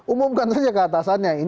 umumkan saja keatasannya